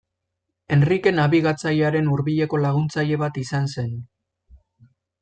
Henrike Nabigatzailearen hurbileko laguntzaile bat izan zen.